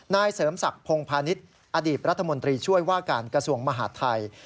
นายเสริมศักดิ์พงพาณิชย์อดีตรัฐมนตรีช่วยว่าการกระทรวงมหาดไทย